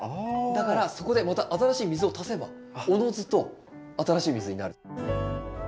だからそこでまた新しい水を足せばおのずと新しい水になる。